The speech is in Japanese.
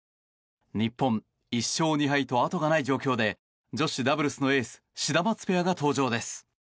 日本、１勝２敗とあとがない状況で女子ダブルスのエースシダマツペアが登場です。